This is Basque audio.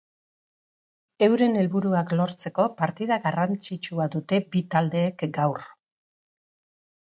Euren helburuak lortzeko partida garrantzitsua dute bi taldeek gaur.